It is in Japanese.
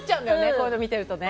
こういうの見てるとね。